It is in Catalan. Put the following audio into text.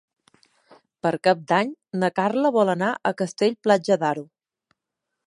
Per Cap d'Any na Carla vol anar a Castell-Platja d'Aro.